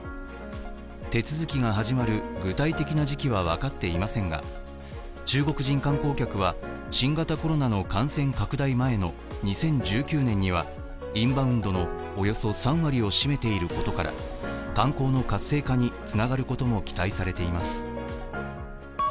手続きが始まる具体的な時期は分かっていませんが、中国人観光客は新型コロナの感染拡大前の２０１９年には、インバウンドのおよそ３割を占めていることから、観光の活性化につながることも期待されています。